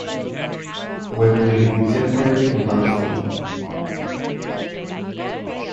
When will it be temperate in Lansford